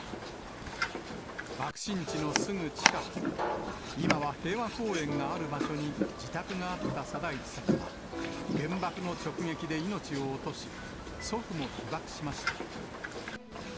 爆心地のすぐ近く、今は平和公園がある場所に自宅があった貞一さんは、原爆の直撃で命を落とし、祖父も被爆しました。